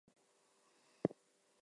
Payton had this to say: We feel great.